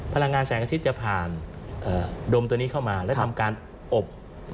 พลังงานแสงอาทิตย์จะผ่านดมตัวนี้เข้ามาและทำการอบ